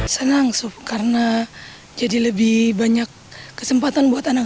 senang karena jadi lebih banyak kesempatan buat anak anak